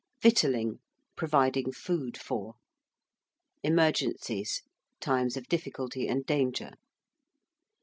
~victualling~: providing food for. ~emergencies~: times of difficulty and danger.